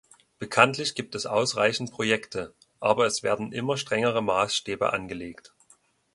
Bekanntlich gibt es ausreichend Projekte, aber es werden immer strengere Maßstäbe angelegt.